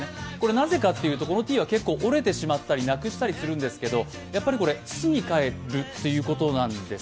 なぜかというと、このティーは折れてしまったりなくしてしまったりするんですが、やっぱりこれ、土に返るということなんです。